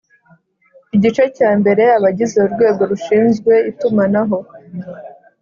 Igice cya mbere: Abagize urwego rushinzwe itumanaho